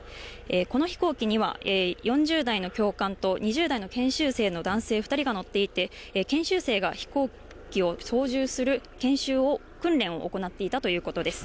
この飛行機には４０代の教官と２０代の研修生の男性２人が乗っていて、研修生が飛行機を操縦する研修を、訓練を行っていたということです。